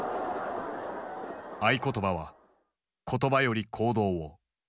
合言葉は「言葉より行動を」。